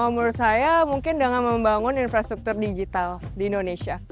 menurut saya mungkin dengan membangun infrastruktur digital di indonesia